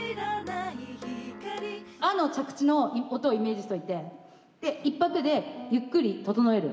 「あ」の着地の音をイメージしておいてで１拍でゆっくり整える。